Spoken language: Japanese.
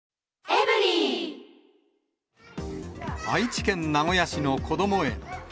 愛知県名古屋市のこども園。